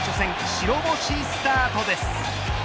交流戦初戦、白星スタートです。